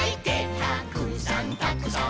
「たくさんたくさん」